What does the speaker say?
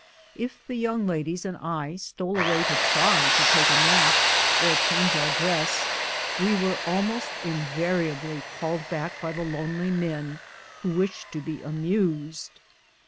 If the young ladies and I stole away to try to take a nap or change our dress, we were almost in variably called back by the lonely men, who wished to be amused.